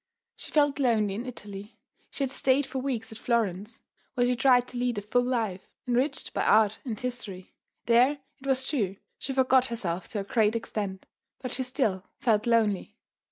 She felt lonely in Italy. She had stayed for weeks at Florence, where she tried to lead a full life, enriched by art and history. There, it was true, she forgot herself to a great extent, but she still felt lonely.